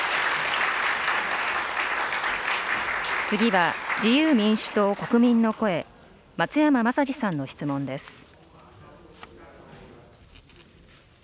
次は自由民主党・国民の声、松山政司さんの質問です。